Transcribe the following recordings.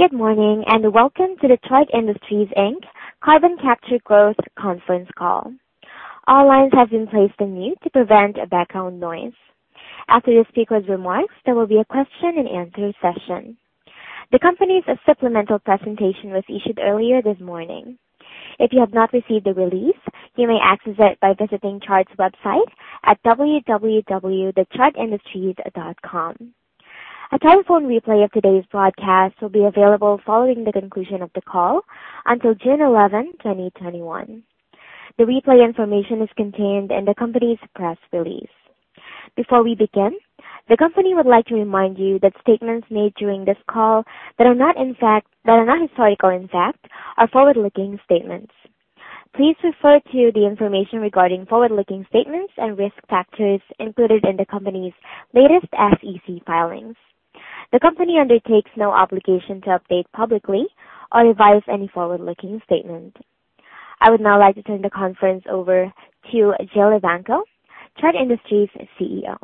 Good morning and welcome to the Chart Industries, Inc Carbon Capture Growth Conference Call. All lines have been placed on mute to prevent background noise. After the speaker's remarks, there will be a question-and-answer session. The company's supplemental presentation was issued earlier this morning. If you have not received the release, you may access it by visiting Chart's website at www.chartindustries.com. A telephone replay of today's broadcast will be available following the conclusion of the call until June 11, 2021. The replay information is contained in the company's press release. Before we begin, the company would like to remind you that statements made during this call that are not historical, in fact, are forward-looking statements. Please refer to the information regarding forward-looking statements and risk factors included in the company's latest SEC filings. The company undertakes no obligation to update publicly or revise any forward-looking statement. I would now like to turn the conference over to Jill Evanko, Chart Industries CEO.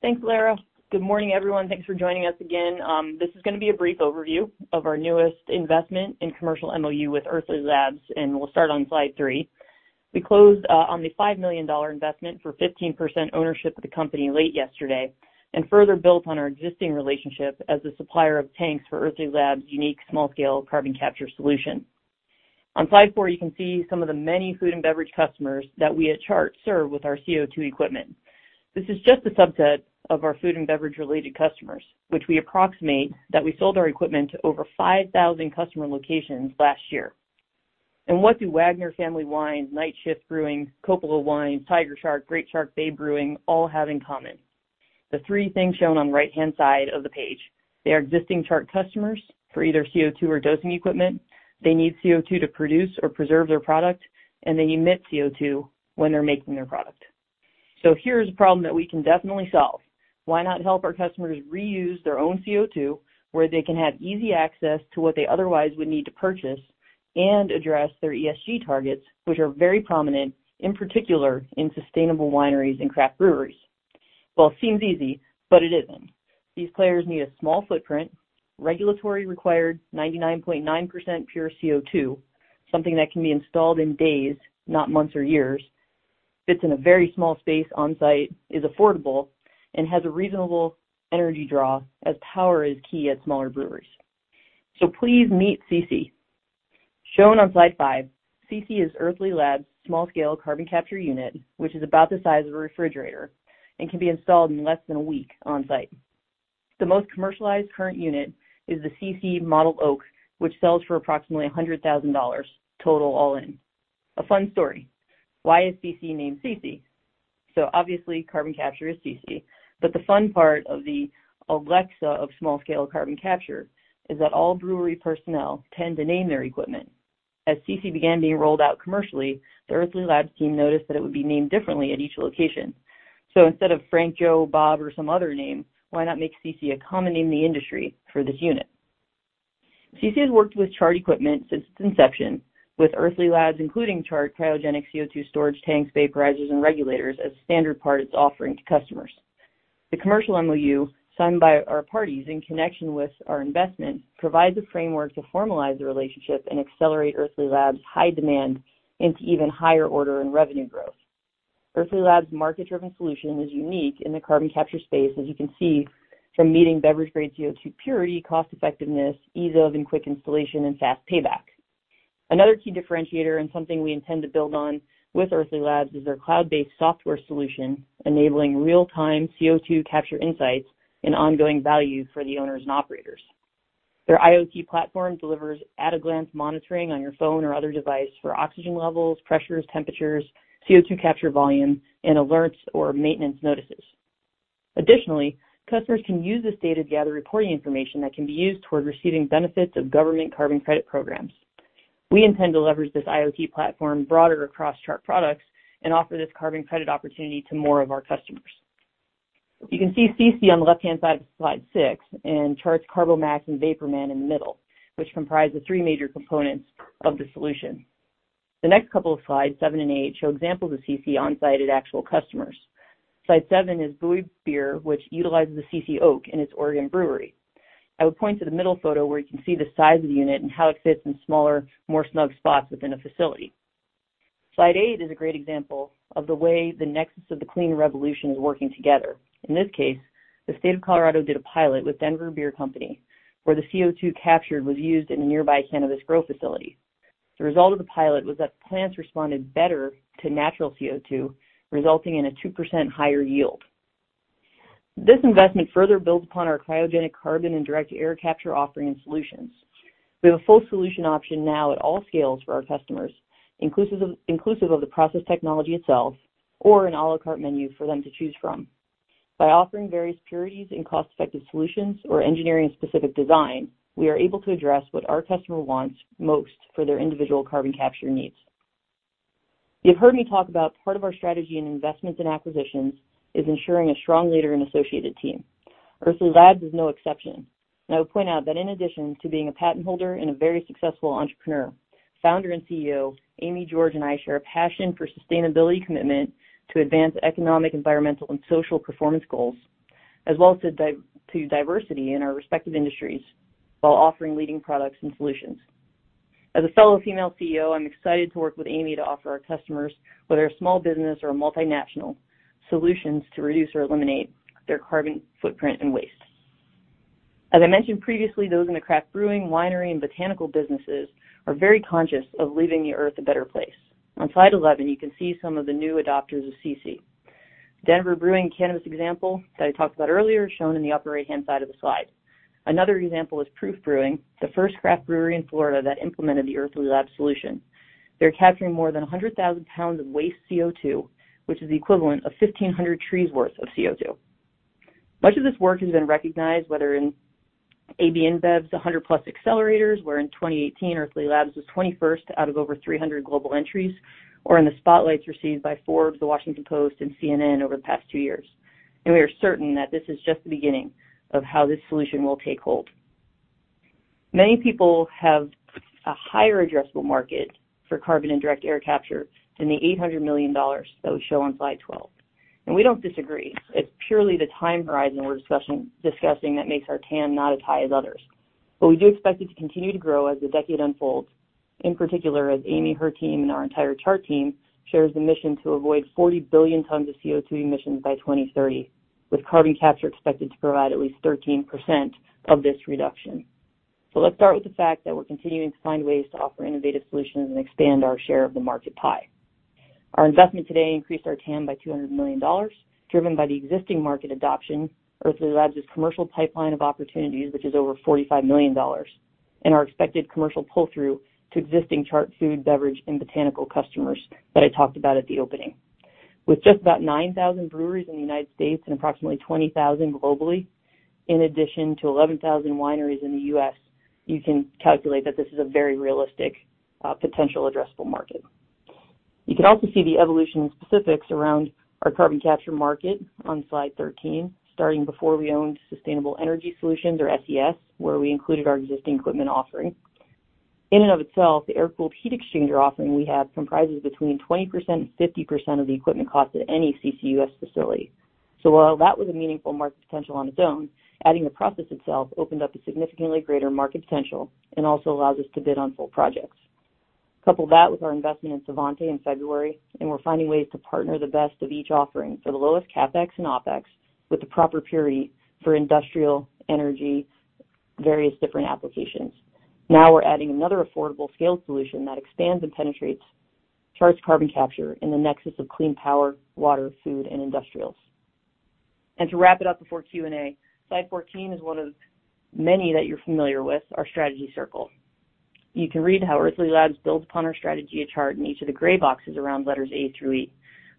Thanks, Lara. Good morning, everyone. Thanks for joining us again. This is going to be a brief overview of our newest investment in commercial MOU with Earthly Labs, and we'll start on slide three. We closed on the $5 million investment for 15% ownership of the company late yesterday and further built on our existing relationship as the supplier of tanks for Earthly Labs' unique small-scale carbon capture solution. On slide four, you can see some of the many food and beverage customers that we at Chart serve with our CO2 equipment. This is just a subset of our food and beverage-related customers, which we approximate that we sold our equipment to over 5,000 customer locations last year. And what do Wagner Family Wines, Night Shift Brewing, Coppola Wines, Tiger Shark, Great South Bay Brewing all have in common? The three things shown on the right-hand side of the page, they are existing Chart customers for either CO2 or dosing equipment, they need CO2 to produce or preserve their product, and they emit CO2 when they're making their product. So here's a problem that we can definitely solve. Why not help our customers reuse their own CO2 where they can have easy access to what they otherwise would need to purchase and address their ESG targets, which are very prominent, in particular, in sustainable wineries and craft breweries? Well, it seems easy, but it isn't. These players need a small footprint, regulatory-required 99.9% pure CO2, something that can be installed in days, not months or years, fits in a very small space on-site, is affordable, and has a reasonable energy draw as power is key at smaller breweries. So please meet CiCi. Shown on slide five, CiCi is Earthly Labs' small-scale carbon capture unit, which is about the size of a refrigerator and can be installed in less than a week on-site. The most commercialized current unit is the CiCi Model Oak, which sells for approximately $100,000 total all-in. A fun story. Why is CiCi named CiCi? So obviously, carbon capture is CiCi. But the fun part of the alias of small-scale carbon capture is that all brewery personnel tend to name their equipment. As CiCi began being rolled out commercially, the Earthly Labs team noticed that it would be named differently at each location. So instead of Frank, Joe, Bob, or some other name, why not make CiCi a common name in the industry for this unit? CiCi has worked with Chart equipment since its inception with Earthly Labs, including Chart cryogenic CO2 storage tanks, vaporizers, and regulators as a standard part of its offering to customers. The commercial MOU signed by our parties in connection with our investment provides a framework to formalize the relationship and accelerate Earthly Labs' high demand into even higher order and revenue growth. Earthly Labs' market-driven solution is unique in the carbon capture space, as you can see from meeting beverage-grade CO2 purity, cost-effectiveness, ease of and quick installation, and fast payback. Another key differentiator and something we intend to build on with Earthly Labs is their cloud-based software solution, enabling real-time CO2 capture insights and ongoing value for the owners and operators. Their IoT platform delivers at-a-glance monitoring on your phone or other device for oxygen levels, pressures, temperatures, CO2 capture volume, and alerts or maintenance notices. Additionally, customers can use this data to gather reporting information that can be used toward receiving benefits of government carbon credit programs. We intend to leverage this IoT platform broader across Chart products and offer this carbon credit opportunity to more of our customers. You can see CiCi on the left-hand side of slide six and Chart's Carbo-Max and VaporMan in the middle, which comprise the three major components of the solution. The next couple of slides, seven and eight, show examples of CiCi on-site at actual customers. Slide seven is Buoy Beer, which utilizes the CiCi Oak in its Oregon brewery. I would point to the middle photo where you can see the size of the unit and how it fits in smaller, more snug spots within a facility. Slide eight is a great example of the way the nexus of the clean revolution is working together. In this case, the state of Colorado did a pilot with Denver Beer Company where the CO2 captured was used in a nearby cannabis grow facility. The result of the pilot was that the plants responded better to natural CO2, resulting in a 2% higher yield. This investment further builds upon our cryogenic carbon and direct air capture offering and solutions. We have a full solution option now at all scales for our customers, inclusive of the process technology itself or an à la carte menu for them to choose from. By offering various purities and cost-effective solutions or engineering a specific design, we are able to address what our customer wants most for their individual carbon capture needs. You've heard me talk about part of our strategy in investments and acquisitions is ensuring a strong leader and associated team. Earthly Labs is no exception. I would point out that in addition to being a patent holder and a very successful entrepreneur, founder and CEO Amy George, and I share a passion for sustainability commitment to advance economic, environmental, and social performance goals, as well as to diversity in our respective industries while offering leading products and solutions. As a fellow female CEO, I'm excited to work with Amy to offer our customers, whether a small business or a multinational, solutions to reduce or eliminate their carbon footprint and waste. As I mentioned previously, those in the craft brewing, winery, and botanical businesses are very conscious of leaving the Earth a better place. On slide 11, you can see some of the new adopters of CiCi. Denver Beer cannabis example that I talked about earlier is shown in the upper right-hand side of the slide. Another example is Proof Brewing, the first craft brewery in Florida that implemented the Earthly Labs solution. They're capturing more than 100,000 pounds of waste CO2, which is the equivalent of 1,500 trees' worth of CO2. Much of this work has been recognized, whether in AB InBev's 100+ Accelerators, where in 2018, Earthly Labs was 21st out of over 300 global entries, or in the spotlights received by Forbes, The Washington Post, and CNN over the past two years. And we are certain that this is just the beginning of how this solution will take hold. Many people have a higher addressable market for carbon and direct air capture than the $800 million that was shown on slide 12. And we don't disagree. It's purely the time horizon we're discussing that makes our TAM not as high as others. But we do expect it to continue to grow as the decade unfolds, in particular as Amy, her team, and our entire Chart team shares the mission to avoid 40 billion tons of CO2 emissions by 2030, with carbon capture expected to provide at least 13% of this reduction. So let's start with the fact that we're continuing to find ways to offer innovative solutions and expand our share of the market pie. Our investment today increased our TAM by $200 million, driven by the existing market adoption, Earthly Labs' commercial pipeline of opportunities, which is over $45 million, and our expected commercial pull-through to existing Chart food, beverage, and botanical customers that I talked about at the opening. With just about 9,000 breweries in the United States and approximately 20,000 globally, in addition to 11,000 wineries in the U.S., you can calculate that this is a very realistic potential addressable market. You can also see the evolution and specifics around our carbon capture market on slide 13, starting before we owned Sustainable Energy Solutions, or SES, where we included our existing equipment offering. In and of itself, the air-cooled heat exchanger offering we have comprises between 20% and 50% of the equipment cost at any CCUS facility. So while that was a meaningful market potential on its own, adding the process itself opened up a significantly greater market potential and also allows us to bid on full projects. Couple that with our investment in Svante in February, and we're finding ways to partner the best of each offering for the lowest CapEx and OpEx with the proper purity for industrial energy, various different applications. Now we're adding another affordable scale solution that expands and penetrates Chart's carbon capture in the nexus of clean power, water, food, and industrials. And to wrap it up before Q&A, slide 14 is one of many that you're familiar with, our strategy circle. You can read how Earthly Labs builds upon our strategy at Chart in each of the gray boxes around letters A through E.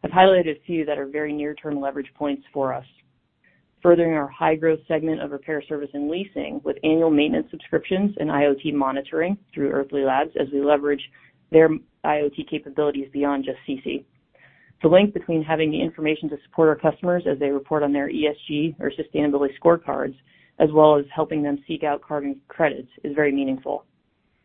I've highlighted a few that are very near-term leverage points for us, furthering our high-growth segment of repair service and leasing with annual maintenance subscriptions and IoT monitoring through Earthly Labs as we leverage their IoT capabilities beyond just CiCi. The link between having the information to support our customers as they report on their ESG or sustainability scorecards, as well as helping them seek out carbon credits, is very meaningful.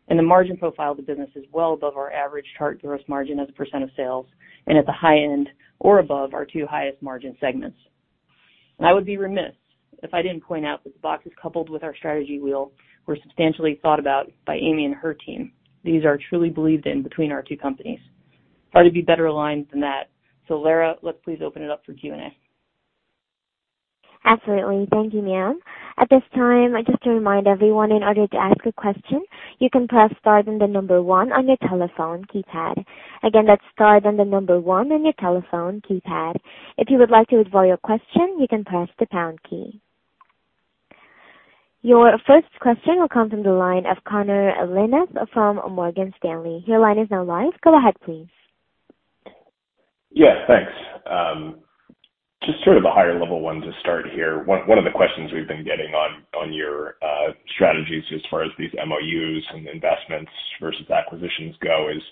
And the margin profile of the business is well above our average Chart gross margin as a percent of sales, and at the high end or above our two highest margin segments. And I would be remiss if I didn't point out that the boxes coupled with our strategy wheel were substantially thought about by Amy and her team. These are truly believed in between our two companies. Hard to be better aligned than that. So Lara, let's please open it up for Q&A. Absolutely. Thank you, ma'am. At this time, just to remind everyone, in order to ask a question, you can press star on the number one on your telephone keypad. Again, that's star on the number one on your telephone keypad. If you would like to withdraw your question, you can press the pound key. Your first question will come from the line of Connor Lynagh from Morgan Stanley. Your line is now live. Go ahead, please. Yeah, thanks. Just sort of a higher-level one to start here. One of the questions we've been getting on your strategies as far as these MOUs and investments versus acquisitions go is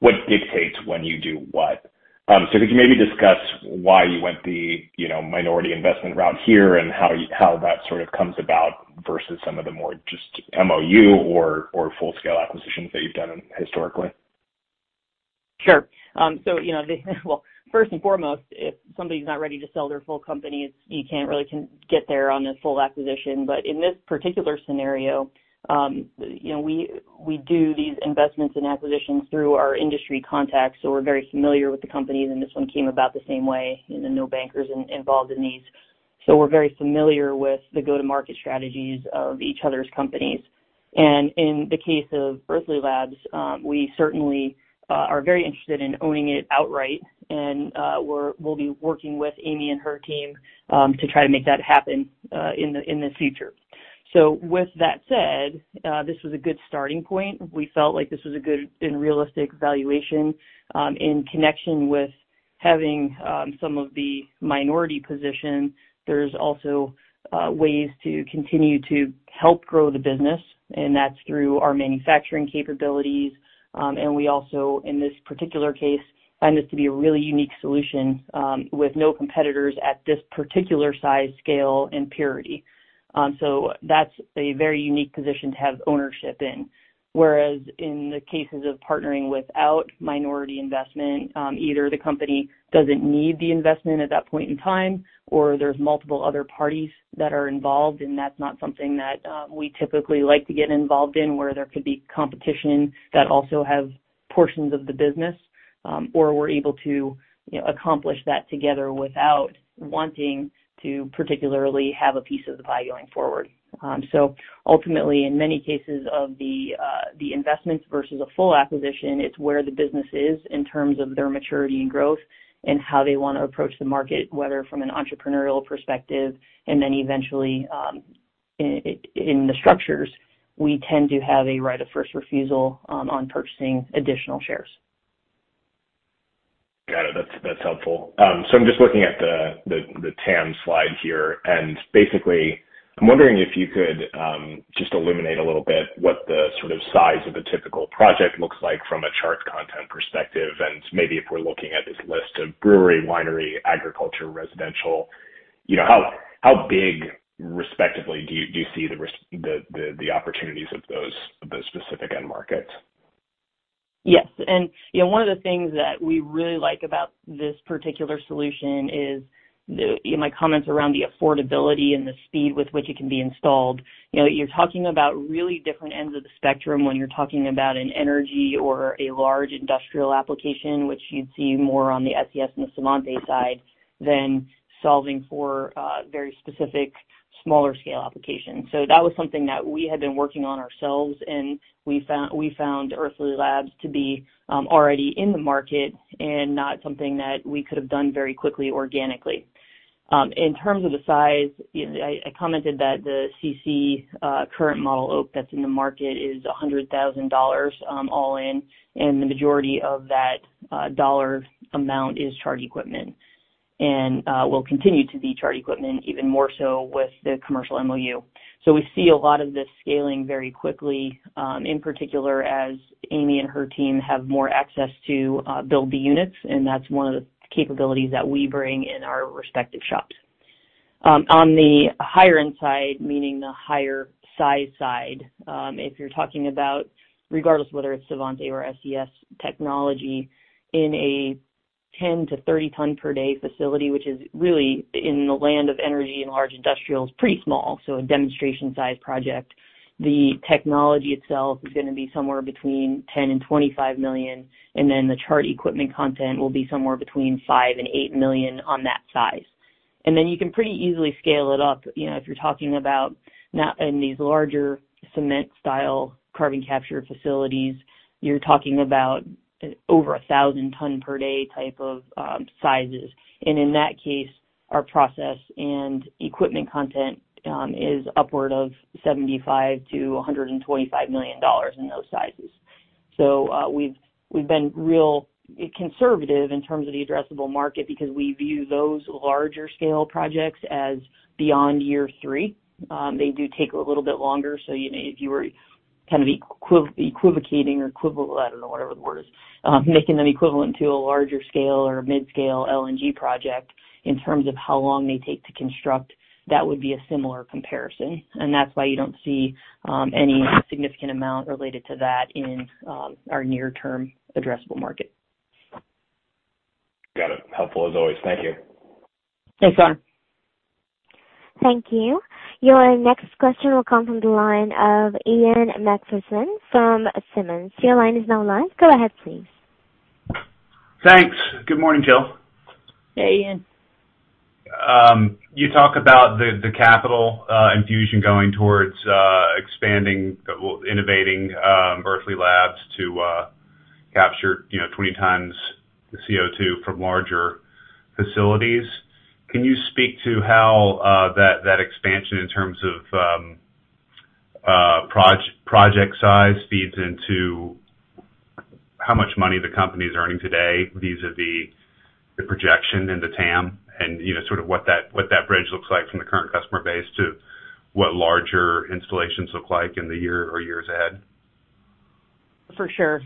what dictates when you do what? So could you maybe discuss why you went the minority investment route here and how that sort of comes about versus some of the more just MOU or full-scale acquisitions that you've done historically? Sure. So first and foremost, if somebody's not ready to sell their full company, you can't really get there on a full acquisition. But in this particular scenario, we do these investments and acquisitions through our industry contacts. So we're very familiar with the companies, and this one came about the same way, and there are no bankers involved in these. So we're very familiar with the go-to-market strategies of each other's companies. And in the case of Earthly Labs, we certainly are very interested in owning it outright, and we'll be working with Amy and her team to try to make that happen in the future. So with that said, this was a good starting point. We felt like this was a good and realistic valuation in connection with having some of the minority position. There's also ways to continue to help grow the business, and that's through our manufacturing capabilities. And we also, in this particular case, find this to be a really unique solution with no competitors at this particular size, scale, and purity. So that's a very unique position to have ownership in. Whereas in the cases of partnering without minority investment, either the company doesn't need the investment at that point in time, or there's multiple other parties that are involved, and that's not something that we typically like to get involved in where there could be competition that also has portions of the business, or we're able to accomplish that together without wanting to particularly have a piece of the pie going forward. So ultimately, in many cases of the investments versus a full acquisition, it's where the business is in terms of their maturity and growth and how they want to approach the market, whether from an entrepreneurial perspective and then eventually in the structures. We tend to have a right of first refusal on purchasing additional shares. Got it. That's helpful, so I'm just looking at the TAM slide here, and basically, I'm wondering if you could just illuminate a little bit what the sort of size of a typical project looks like from a Chart content perspective, and maybe if we're looking at this list of brewery, winery, agriculture, residential, how big, respectively, do you see the opportunities of those specific end markets? Yes, and one of the things that we really like about this particular solution is my comments around the affordability and the speed with which it can be installed. You're talking about really different ends of the spectrum when you're talking about an energy or a large industrial application, which you'd see more on the SES and the Svante side than solving for very specific smaller-scale applications. So that was something that we had been working on ourselves, and we found Earthly Labs to be already in the market and not something that we could have done very quickly organically. In terms of the size, I commented that the CiCi Model Oak that's in the market is $100,000 all in, and the majority of that dollar amount is Chart equipment and will continue to be Chart equipment even more so with the commercial MOU. So we see a lot of this scaling very quickly, in particular as Amy and her team have more access to build the units, and that's one of the capabilities that we bring in our respective shops. On the higher-end side, meaning the higher-size side, if you're talking about, regardless of whether it's Svante or SES technology, in a 10 ton-30 ton per day facility, which is really, in the land of energy and large industrials, pretty small, so a demonstration-size project, the technology itself is going to be somewhere between $10 million and $25 million, and then the Chart equipment content will be somewhere between $5 million and $8 million on that size. And then you can pretty easily scale it up. If you're talking about, in these larger cement-style carbon capture facilities, you're talking about over 1,000 ton per day type of sizes. And in that case, our process and equipment content is upward of $75 million-$125 million in those sizes. So we've been real conservative in terms of the addressable market because we view those larger-scale projects as beyond year three. They do take a little bit longer. So if you were kind of equivocating or equivalent, I don't know whatever the word is, making them equivalent to a larger-scale or a mid-scale LNG project, in terms of how long they take to construct, that would be a similar comparison. And that's why you don't see any significant amount related to that in our near-term addressable market. Got it. Helpful as always. Thank you. Thanks, Connor. Thank you. Your next question will come from the line of Iain McPherson from Simmons. Your line is now live. Go ahead, please. Thanks. Good morning, Jill. Hey, Iain. You talk about the capital infusion going towards expanding, innovating Earthly Labs to capture 20x the CO2 from larger facilities. Can you speak to how that expansion, in terms of project size, feeds into how much money the company is earning today vis-à-vis the projection and the TAM, and sort of what that bridge looks like from the current customer base to what larger installations look like in the year or years ahead? For sure.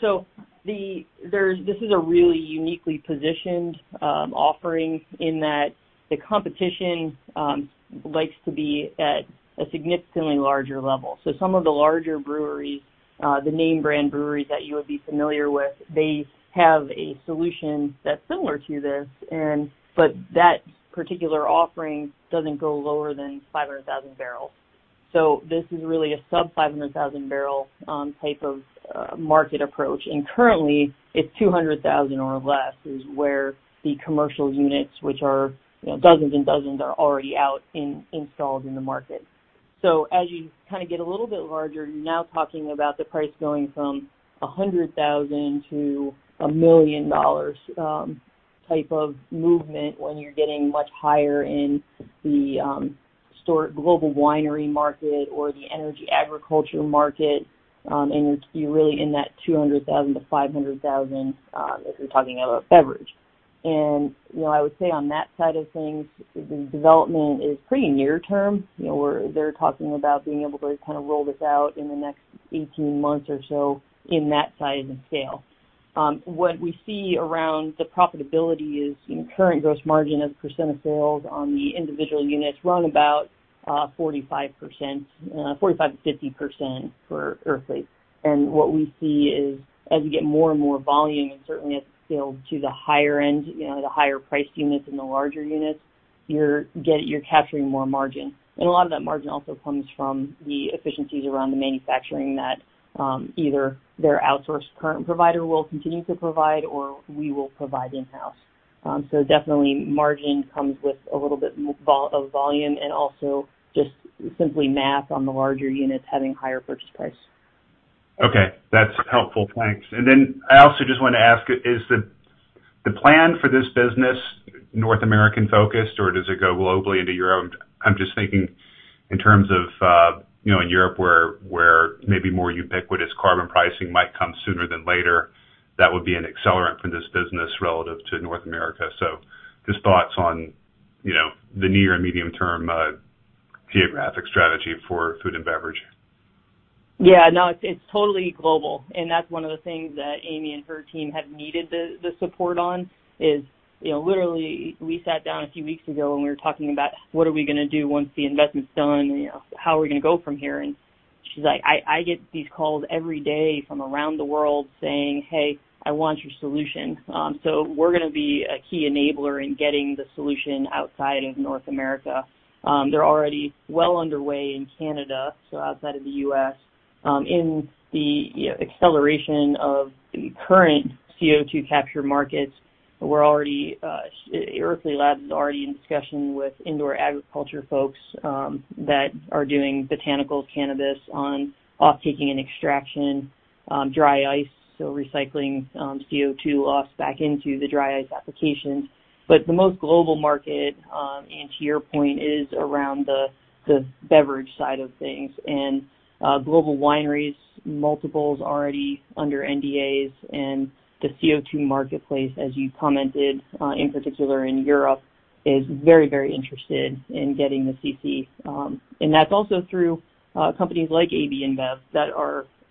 So this is a really uniquely positioned offering in that the competition likes to be at a significantly larger level. So some of the larger breweries, the name brand breweries that you would be familiar with, they have a solution that's similar to this, but that particular offering doesn't go lower than 500,000 bbl. So this is really a sub-500,000 bbl type of market approach. And currently, it's 200,000 units or less is where the commercial units, which are dozens and dozens, are already out installed in the market. So as you kind of get a little bit larger, you're now talking about the price going from $100,000-$1 million type of movement when you're getting much higher in the global winery market or the energy agriculture market, and you're really in that 200,000 units-500,000 units if you're talking about beverage. And I would say on that side of things, the development is pretty near-term. They're talking about being able to kind of roll this out in the next 18 months or so in that size and scale. What we see around the profitability is current gross margin as a percent of sales on the individual units run about 45%-50% for Earthly. And what we see is, as you get more and more volume and certainly as it scales to the higher end, the higher-priced units and the larger units, you're capturing more margin. And a lot of that margin also comes from the efficiencies around the manufacturing that either their outsourced current provider will continue to provide or we will provide in-house. So definitely, margin comes with a little bit of volume and also just simply math on the larger units having higher purchase price. Okay. That's helpful. Thanks. And then I also just wanted to ask, is the plan for this business North American-focused, or does it go globally into Europe? I'm just thinking in terms of in Europe, where maybe more ubiquitous carbon pricing might come sooner than later, that would be an accelerant for this business relative to North America. So just thoughts on the near and medium-term geographic strategy for food and beverage. Yeah. No, it's totally global. And that's one of the things that Amy and her team have needed the support on is literally, we sat down a few weeks ago and we were talking about, "What are we going to do once the investment's done? How are we going to go from here?" And she's like, "I get these calls every day from around the world saying, 'Hey, I want your solution.'" So we're going to be a key enabler in getting the solution outside of North America. They're already well underway in Canada, so outside of the U.S. In the acceleration of the current CO2 capture markets, Earthly Labs is already in discussion with indoor agriculture folks that are doing botanicals, cannabis on off-taking and extraction, dry ice, so recycling CO2 lost back into the dry ice applications. But the most global market, and to your point, is around the beverage side of things. And global wineries, multiples already under NDAs, and the CO2 marketplace, as you commented, in particular in Europe, is very, very interested in getting the CC. And that's also through companies like AB InBev that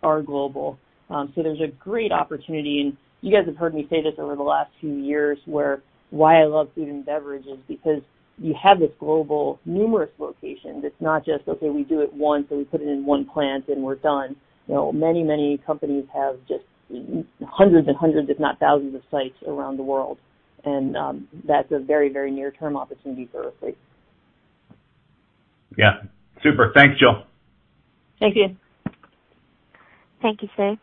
are global. So there's a great opportunity. And you guys have heard me say this over the last few years where why I love food and beverage is because you have this global, numerous locations. It's not just, "Okay, we do it once, and we put it in one plant, and we're done." Many, many companies have just hundreds and hundreds, if not thousands, of sites around the world. And that's a very, very near-term opportunity for Earthly. Yeah. Super. Thanks, Jill. Thank you. Thank you, sir.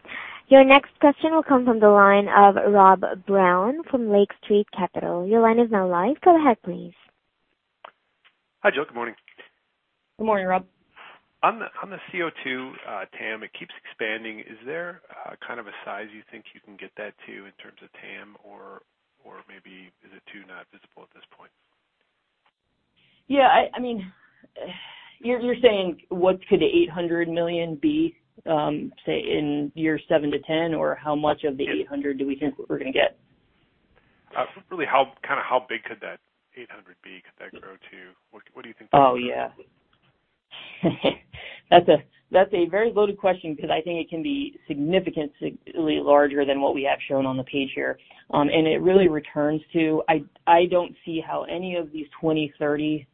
Your next question will come from the line of Rob Brown from Lake Street Capital. Your line is now live. Go ahead, please. Hi, Jill. Good morning. Good morning, Rob. On the CO2 TAM, it keeps expanding. Is there kind of a size you think you can get that to in terms of TAM, or maybe is it too not visible at this point? Yeah. I mean, you're saying what could $800 million be, say, in year 7 to 10, or how much of the $800 million do we think we're going to get? Really, kind of how big could that $800 million be? Could that grow to? What do you think? Oh, yeah. That's a very loaded question because I think it can be significantly larger than what we have shown on the page here, and it really returns to, I don't see how any of these 2030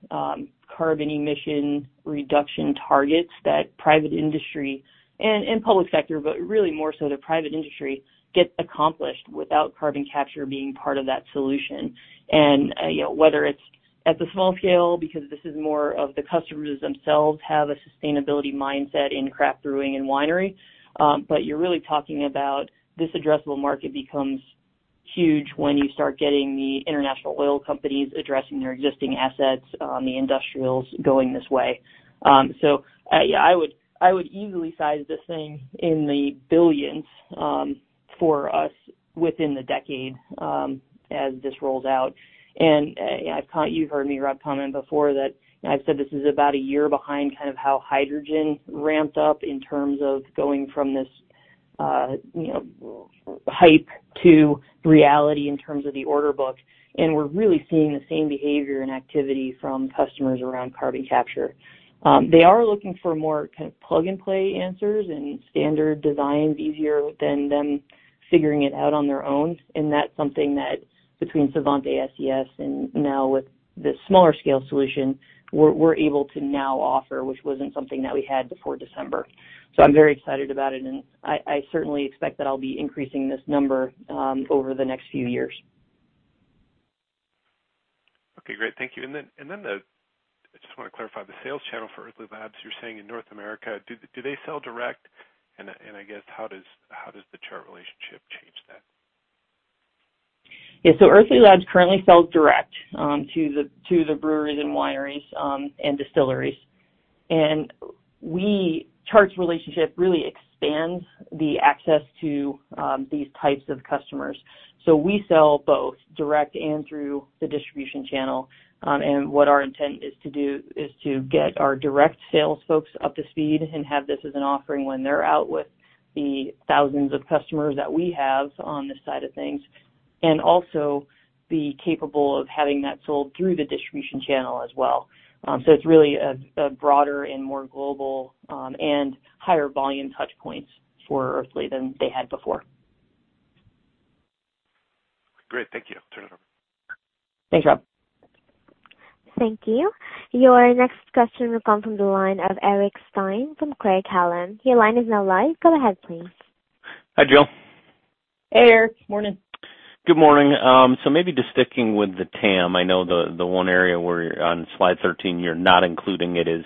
carbon emission reduction targets that private industry and public sector, but really more so the private industry, get accomplished without carbon capture being part of that solution, and whether it's at the small scale, because this is more of the customers themselves have a sustainability mindset in craft brewing and winery, but you're really talking about this addressable market becomes huge when you start getting the international oil companies addressing their existing assets, the industrials going this way. So yeah, I would easily size this thing in the billions for us within the decade as this rolls out. And you've heard me, Rob, comment before that I've said this is about a year behind kind of how hydrogen ramped up in terms of going from this hype to reality in terms of the order book. And we're really seeing the same behavior and activity from customers around carbon capture. They are looking for more kind of plug-and-play answers and standard designs easier than them figuring it out on their own. And that's something that, between Svante, SES, and now with the smaller-scale solution, we're able to now offer, which wasn't something that we had before December. So I'm very excited about it, and I certainly expect that I'll be increasing this number over the next few years. Okay. Great. Thank you. And then I just want to clarify the sales channel for Earthly Labs. You're saying in North America, do they sell direct? And I guess, how does the Chart relationship change that? Yeah, so Earthly Labs currently sells direct to the breweries and wineries and distilleries, and Chart's relationship really expands the access to these types of customers, so we sell both direct and through the distribution channel, and what our intent is to do is to get our direct sales folks up to speed and have this as an offering when they're out with the thousands of customers that we have on this side of things, and also be capable of having that sold through the distribution channel as well, so it's really a broader and more global and higher volume touch points for Earthly than they had before. Great. Thank you. Turn it over. Thanks, Rob. Thank you. Your next question will come from the line of Eric Stine from Craig-Hallum. Your line is now live. Go ahead, please. Hi, Jill. Hey, Eric. Morning. Good morning. So maybe just sticking with the TAM, I know the one area where on slide 13 you're not including it is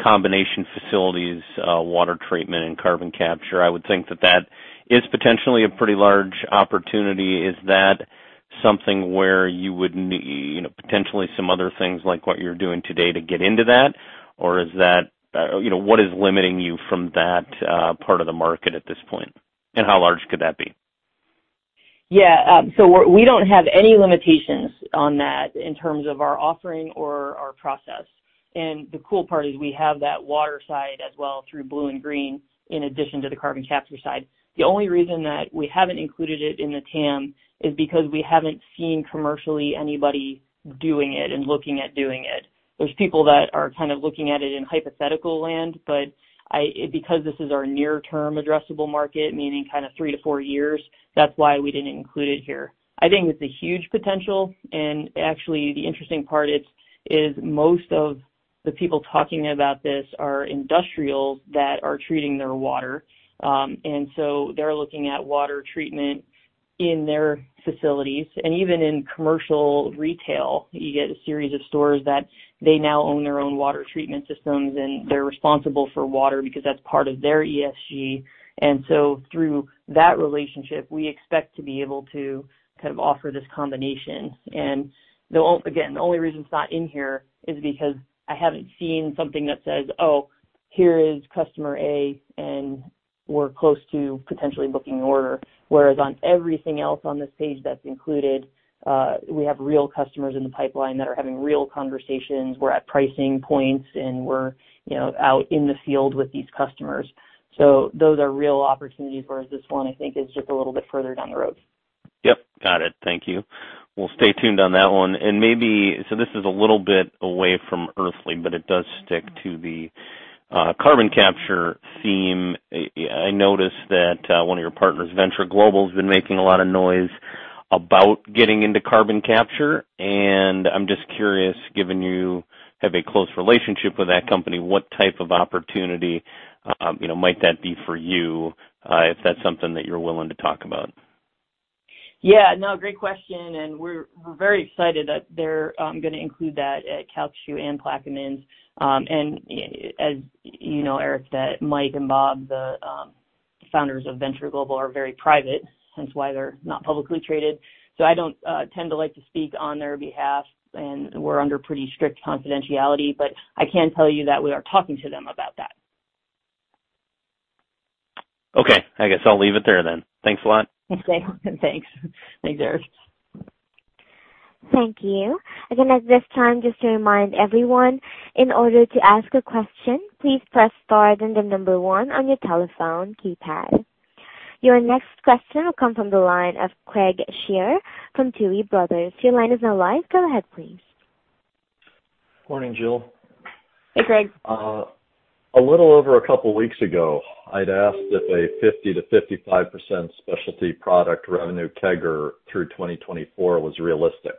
combination facilities, water treatment, and carbon capture. I would think that that is potentially a pretty large opportunity. Is that something where you would potentially some other things like what you're doing today to get into that, or is that what is limiting you from that part of the market at this point? And how large could that be? Yeah. So we don't have any limitations on that in terms of our offering or our process. And the cool part is we have that water side as well through BlueInGreen in addition to the carbon capture side. The only reason that we haven't included it in the TAM is because we haven't seen commercially anybody doing it and looking at doing it. There's people that are kind of looking at it in hypothetical land, but because this is our near-term addressable market, meaning kind of three years-four years, that's why we didn't include it here. I think it's a huge potential. And actually, the interesting part is most of the people talking about this are industrials that are treating their water. And so they're looking at water treatment in their facilities. Even in commercial retail, you get a series of stores that they now own their own water treatment systems, and they're responsible for water because that's part of their ESG. So through that relationship, we expect to be able to kind of offer this combination. Again, the only reason it's not in here is because I haven't seen something that says, "Oh, here is customer A, and we're close to potentially booking an order." Whereas on everything else on this page that's included, we have real customers in the pipeline that are having real conversations. We're at pricing points, and we're out in the field with these customers. So those are real opportunities, whereas this one, I think, is just a little bit further down the road. Yep. Got it. Thank you. We'll stay tuned on that one. And so this is a little bit away from Earthly, but it does stick to the carbon capture theme. I noticed that one of your partners, Venture Global, has been making a lot of noise about getting into carbon capture. And I'm just curious, given you have a close relationship with that company, what type of opportunity might that be for you if that's something that you're willing to talk about? Yeah. No, great question. And we're very excited that they're going to include that at Calcasieu and Plaquemines. And as you know, Eric, that Mike and Bob, the founders of Venture Global, are very private, hence why they're not publicly traded. So I don't tend to like to speak on their behalf, and we're under pretty strict confidentiality, but I can tell you that we are talking to them about that. Okay. I guess I'll leave it there then. Thanks a lot. Thanks. Thanks, Eric. Thank you. Again, at this time, just to remind everyone, in order to ask a question, please press star then the number one on your telephone keypad. Your next question will come from the line of Craig Shere from Tuohy Brothers. Your line is now live. Go ahead, please. Morning, Jill. Hey, Craig. A little over a couple of weeks ago, I'd asked if a 50%-55% specialty product revenue CAGR through 2024 was realistic.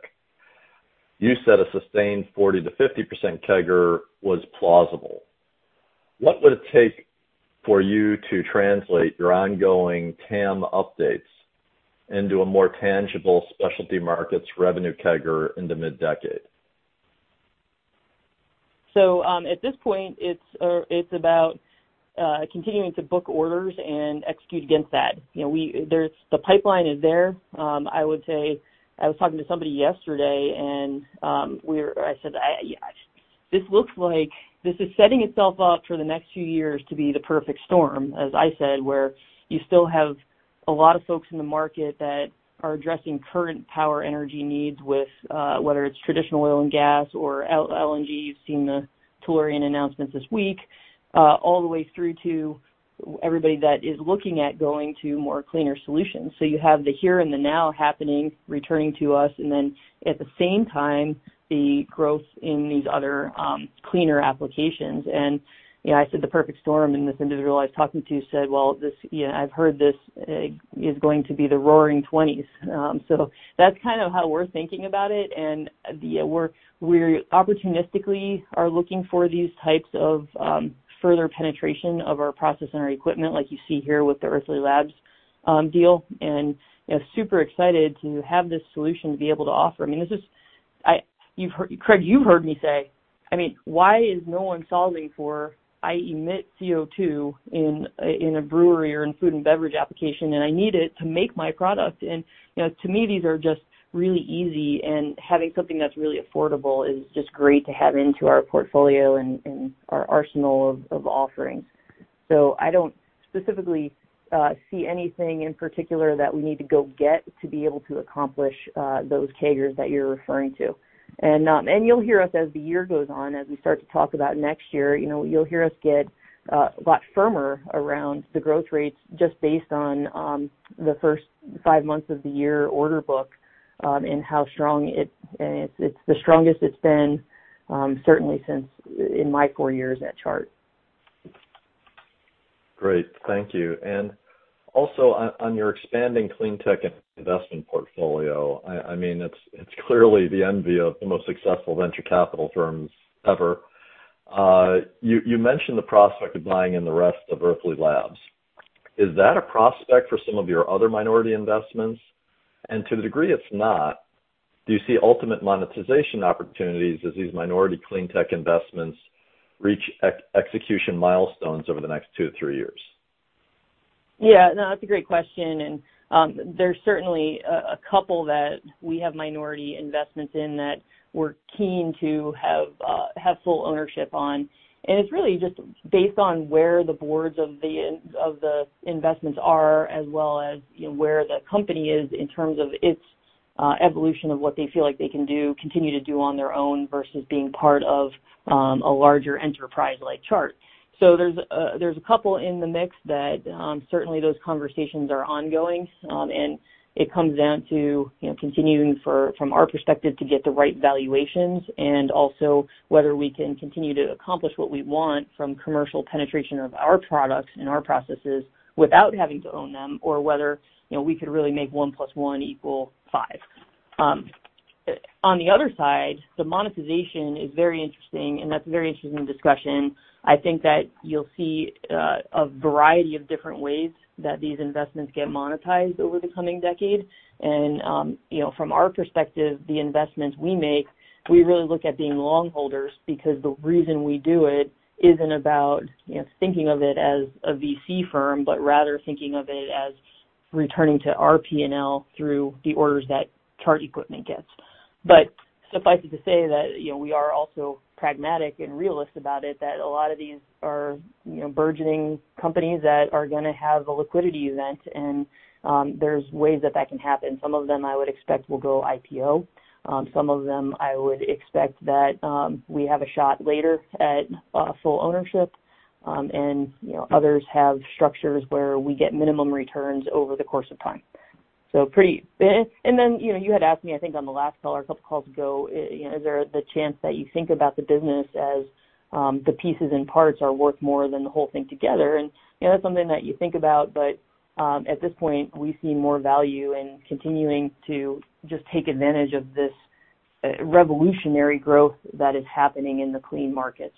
You said a sustained 40%-50% CAGR was plausible. What would it take for you to translate your ongoing TAM updates into a more tangible specialty markets revenue CAGR in the mid-decade? At this point, it's about continuing to book orders and execute against that. The pipeline is there. I would say I was talking to somebody yesterday, and I said, "This looks like this is setting itself up for the next few years to be the perfect storm," as I said, where you still have a lot of folks in the market that are addressing current power energy needs with whether it's traditional oil and gas or LNG. You've seen the Tellurian announcements this week all the way through to everybody that is looking at going to more cleaner solutions. So you have the here and the now happening, returning to us, and then at the same time, the growth in these other cleaner applications. And I said, "The perfect storm." And this individual I was talking to said, "Well, I've heard this is going to be the roaring 20s." So that's kind of how we're thinking about it. And we opportunistically are looking for these types of further penetration of our process and our equipment, like you see here with the Earthly Labs deal. And super excited to have this solution to be able to offer. I mean, Craig, you've heard me say, "I mean, why is no one solving for I emit CO2 in a brewery or in food and beverage application, and I need it to make my product?" And to me, these are just really easy, and having something that's really affordable is just great to have into our portfolio and our arsenal of offerings. So I don't specifically see anything in particular that we need to go get to be able to accomplish those CAGRs that you're referring to. And you'll hear us as the year goes on, as we start to talk about next year, you'll hear us get a lot firmer around the growth rates just based on the first five months of the year order book and how strong it is. It's the strongest it's been, certainly since in my four years at Chart. Great. Thank you. And also on your expanding clean tech and investment portfolio, I mean, it's clearly the envy of the most successful venture capital firms ever. You mentioned the prospect of buying in the rest of Earthly Labs. Is that a prospect for some of your other minority investments? And to the degree it's not, do you see ultimate monetization opportunities as these minority clean tech investments reach execution milestones over the next two years-three years? Yeah. No, that's a great question. And there's certainly a couple that we have minority investments in that we're keen to have full ownership on. And it's really just based on where the boards of the investments are, as well as where the company is in terms of its evolution of what they feel like they can do, continue to do on their own versus being part of a larger enterprise like Chart. So there's a couple in the mix that certainly those conversations are ongoing, and it comes down to continuing from our perspective to get the right valuations and also whether we can continue to accomplish what we want from commercial penetration of our products and our processes without having to own them, or whether we could really make one plus one equal five. On the other side, the monetization is very interesting, and that's a very interesting discussion. I think that you'll see a variety of different ways that these investments get monetized over the coming decade. And from our perspective, the investments we make, we really look at being long holders because the reason we do it isn't about thinking of it as a VC firm, but rather thinking of it as returning to our P&L through the orders that Chart equipment gets. But suffice it to say that we are also pragmatic and realistic about it, that a lot of these are burgeoning companies that are going to have a liquidity event, and there's ways that that can happen. Some of them I would expect will go IPO. Some of them I would expect that we have a shot later at full ownership, and others have structures where we get minimum returns over the course of time. And then you had asked me, I think, on the last call or a couple of calls ago, is there the chance that you think about the business as the pieces and parts are worth more than the whole thing together? And that's something that you think about, but at this point, we see more value in continuing to just take advantage of this revolutionary growth that is happening in the clean markets.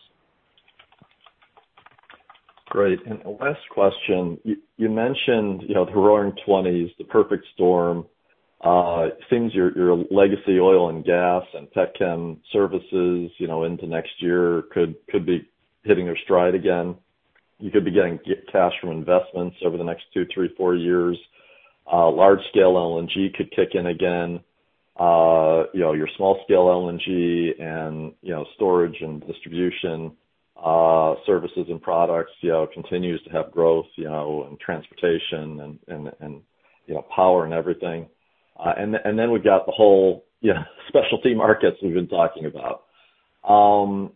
Great. And last question. You mentioned the roaring 20s, the perfect storm. Seems your legacy oil and gas and tech chem services into next year could be hitting their stride again. You could be getting cash from investments over the next two, three, four years. Large-scale LNG could kick in again. Your small-scale LNG and storage and distribution services and products continues to have growth in transportation and power and everything. And then we've got the whole specialty markets we've been talking about, and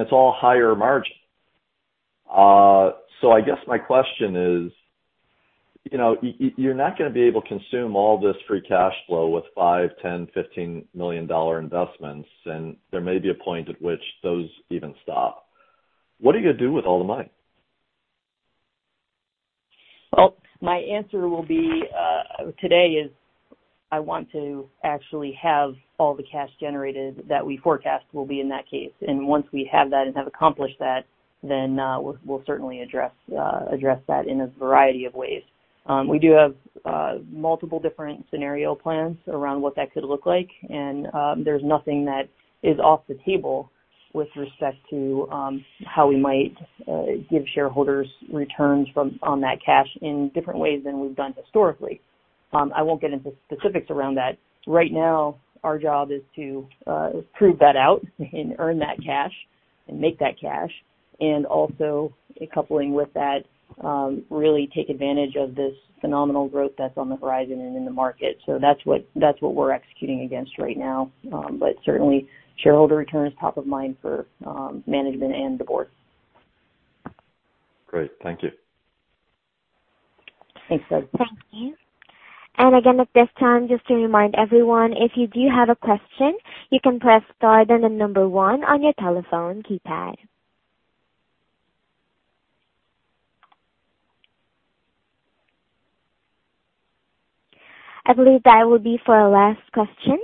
it's all higher margin. So I guess my question is, you're not going to be able to consume all this free cash flow with $5 million, $10 million, $15 million investments, and there may be a point at which those even stop. What are you going to do with all the money? My answer today is I want to actually have all the cash generated that we forecast will be in that case. And once we have that and have accomplished that, then we'll certainly address that in a variety of ways. We do have multiple different scenario plans around what that could look like, and there's nothing that is off the table with respect to how we might give shareholders returns on that cash in different ways than we've done historically. I won't get into specifics around that. Right now, our job is to prove that out and earn that cash and make that cash, and also coupling with that, really take advantage of this phenomenal growth that's on the horizon and in the market. So that's what we're executing against right now. But certainly, shareholder return is top of mind for management and the board. Great. Thank you. Thanks, Craig. Thank you. And again, at this time, just to remind everyone, if you do have a question, you can press star then the number one on your telephone keypad. I believe that would be for our last question.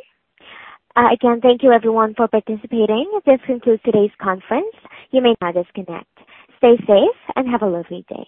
Again, thank you everyone for participating. This concludes today's conference. You may now disconnect. Stay safe and have a lovely day.